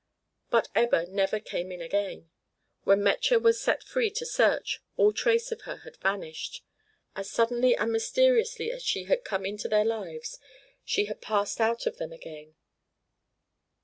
But Ebba never "came in" again. When Metje was set free to search, all trace of her had vanished. As suddenly and mysteriously as she had come into their lives she had passed out of them again.